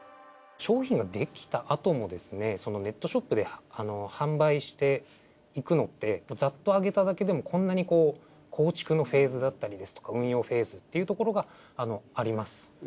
商品ができたあともですねそのネットショップで販売していくのってザッと挙げただけでもこんなに構築のフェーズだったりですとか運用フェーズっていうところがあります。